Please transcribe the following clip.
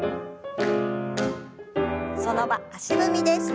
その場足踏みです。